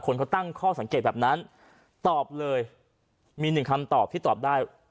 คนเขาตั้งข้อสังเกตแบบนั้นตอบเลยมีหนึ่งคำตอบที่ตอบได้